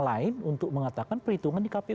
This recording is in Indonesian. lain untuk mengatakan perhitungan di kpu